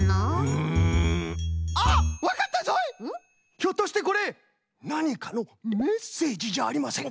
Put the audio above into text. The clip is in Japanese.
ひょっとしてこれなにかのメッセージじゃありませんか！？